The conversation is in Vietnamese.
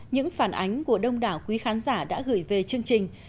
những phản ánh của đông đảo quý khán giả đã gửi về chương trình